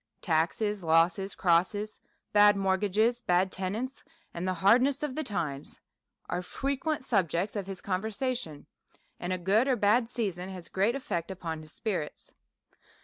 Taxes, losses, crosses, bad mortgag es, bad tenants, and the hardness of the times, are frequent subjects of his conversation ; and a good or a bad sea, son has a great effect upon his spirits.